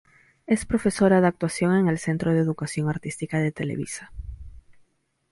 Es profesora de actuación en el Centro de Educación Artística de Televisa.